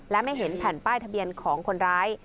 และไม่เห็นแผ่นป้ายทะเบียนของคนร้าย